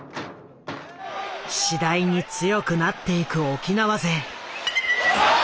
次第に強くなっていく沖縄勢。